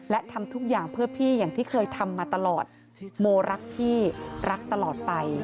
และทำทุกอย่างเพื่อพี่อย่างที่เคยทำมาตลอดโมรักพี่รักตลอดไป